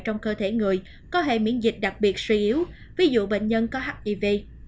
trong cơ thể người có hệ miễn dịch đặc biệt suy yếu ví dụ bệnh nhân có hiv